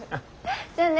じゃあね。